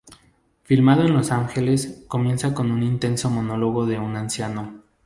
Filmado en Los Ángeles, comienza con un intenso monólogo de un anciano.